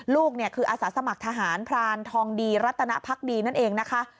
ลูกเนี่ยคืออาสาสมัครทหารพรานทองดีรัตนภักดีนั่นเองนะคะ